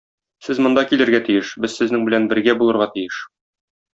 Сез монда килергә тиеш, без сезнең белән бергә булырга тиеш.